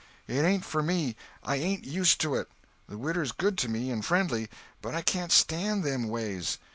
It ain't for me; I ain't used to it. The widder's good to me, and friendly; but I can't stand them ways.